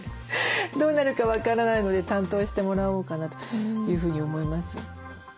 どうなるか分からないので担当してもらおうかなというふうに思います。